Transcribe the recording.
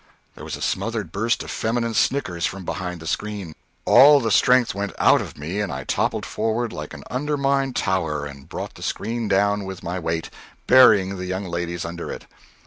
_" There was a smothered burst of feminine snickers from behind the screen! All the strength went out of me and I toppled forward like an undermined tower and brought the screen down with my weight, burying the young ladies under it.